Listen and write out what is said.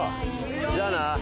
じゃあな。